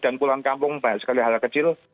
dan pulang kampung banyak sekali hal kecil